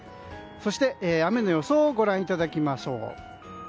そして、雨の予想をご覧いただきましょう。